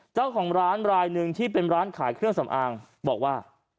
เจ้าของร้านรายหนึ่งที่เป็นร้านขายเครื่องสำอางบอกว่า